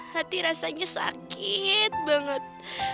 hati rasanya sakit banget